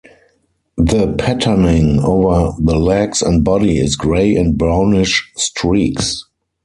The patterning over the legs and body is grey and brownish streaks.